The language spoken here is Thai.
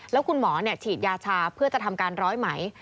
แล้วคุณหมอฉีดยาชาเพื่อจะทำการร้อยไหม